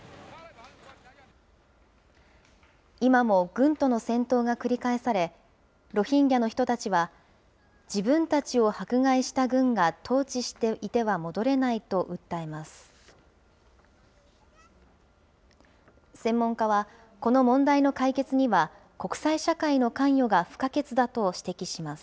今も軍との戦闘が繰り返され、ロヒンギャの人たちは、自分たちを迫害した軍が統治していては戻れないと訴えます。